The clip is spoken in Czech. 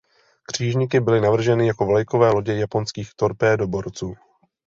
Křižníky byly navrženy jako vlajkové lodě japonských torpédoborců.